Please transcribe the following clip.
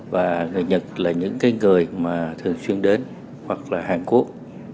và người nhật là những người thường xuyên đến hoặc là hàn quốc